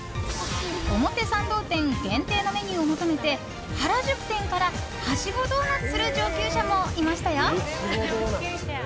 表参道店限定のメニューを求めて原宿店からはしごドーナツする上級者もいましたよ！